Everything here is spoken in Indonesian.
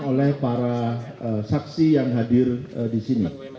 oleh para saksi yang hadir di sini